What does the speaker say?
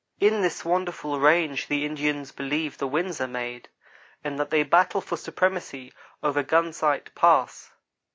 In this wonderful range the Indians believe the winds are made, and that they battle for supremacy over Gunsight Pass.